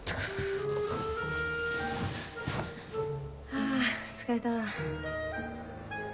はあ疲れた。